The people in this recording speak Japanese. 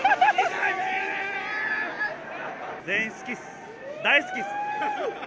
全員好きっす、大好きっす。